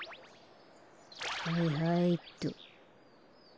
はいはいっと。